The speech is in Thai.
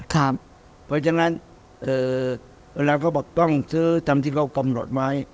เพราะฉะนั้นเวลาเขาบอกต้องซื้อตามที่เขากำหนดไว้